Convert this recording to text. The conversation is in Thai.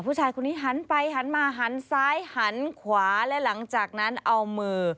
ผู้ชายคนนี้หันไปหันมาหันซ้ายหันขวาและหลังจากนั้นเอามือ